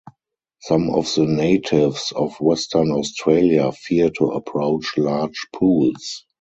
Some of the natives of western Australia fear to approach large pools.